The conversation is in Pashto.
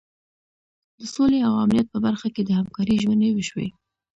د سولې او امنیت په برخه کې د همکارۍ ژمنې وشوې.